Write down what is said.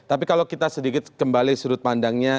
tapi kalau kita sedikit kembali sudut pandangnya